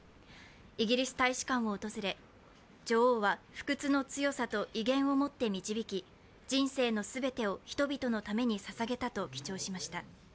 イギリス大使館を訪れ女王は不屈の強さと威厳をもって導き、人生の全てを人々のために捧げたと記帳しました。